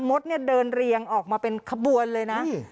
มดเนี่ยเดินเรียงออกมาเป็นขบวนเลยนะ